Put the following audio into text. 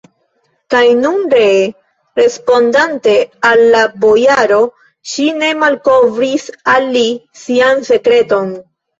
Kaj nun ree, respondante al la bojaro, ŝi ne malkovris al li sian sekreton.